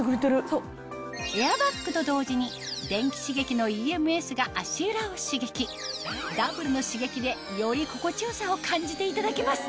エアバッグと同時に電気刺激のＥＭＳが足裏を刺激ダブルの刺激でより心地よさを感じていただけます